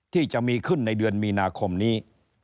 ที่จะมีขึ้นในเดือนมีนาคมนี้